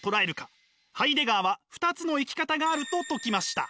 ハイデガーは２つの生き方があると説きました。